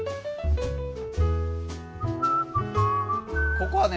ここはね